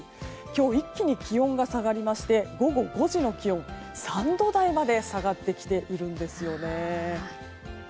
今日一気に気温が下がりまして午後５時の気温、３度台まで下がってきているんですよね。